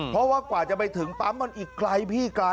เพราะว่ากว่าจะไปถึงปั๊มมันอีกไกลพี่